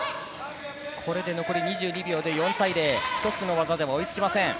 残り２２秒で４対０、ひとつの技でも追いつきません